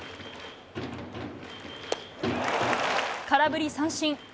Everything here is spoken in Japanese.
空振り三振。